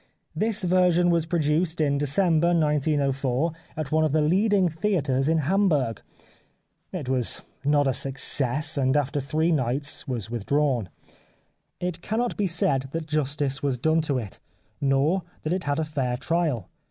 This version was produced in De cember 1904 at one of the leading theatres in 236 \ The Life of Oscar Wilde Hamburg. It was not a success, and after three nights was withdrawn. It cannot be said that justice was done to it, nor that it had a fair trial.